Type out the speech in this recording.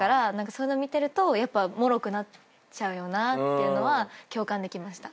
そういうの見てるとやっぱもろくなっちゃうよなっていうのは共感できました。